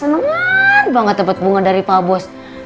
randy tuh kayak kesenengan banget dapet bunga dari pa bos